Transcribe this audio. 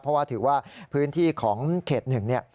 เพราะว่าถือว่าพื้นที่ของเขตหนึ่งเนี่ย